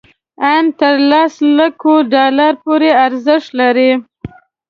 ان تر لس لکو ډالرو پورې ارزښت لري.